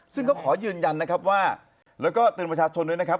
ซึ่งก็ขอยืนยันนะครับว่าแล้วก็เตือนประชาชนด้วยนะครับ